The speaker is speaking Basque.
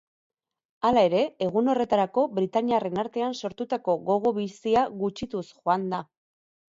Hala ere, egun horretarako britainiarren artean sortutako gogo bizia gutxituz joan da.